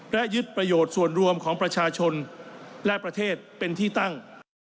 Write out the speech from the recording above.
และยึดประโยชน์ส่วนรวมของประชาชนและประเทศเป็นที่ตั้ง